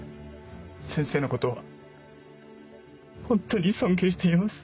先生のことは本当に尊敬しています。